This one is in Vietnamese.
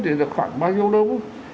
thì được khoảng bao nhiêu lúc